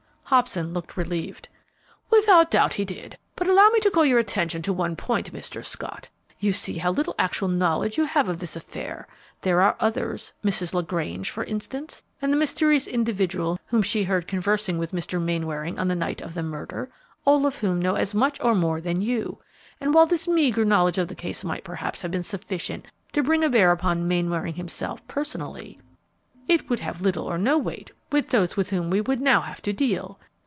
Hobson looked relieved. "Without doubt, he did; but allow me to call your attention to one point, Mr. Scott. You see how little actual knowledge you have of this affair. There are others Mrs. LaGrange, for instance, and the mysterious individual whom she heard conversing with Mr. Mainwaring on the night of the murder, all of whom know as much or more than you; and while this meagre knowledge of the case might perhaps have been sufficient to bring to bear upon Mainwaring himself, personally, it would have little or no weight with those with whom we would now have to deal.